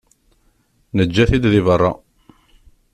Neǧǧa-t-id di berra.